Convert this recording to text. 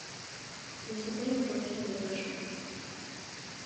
Для сябе я ўжо ўсё вырашыў.